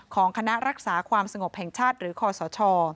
ของคณะรักษาความสงบแห่งชาติหรือคอสช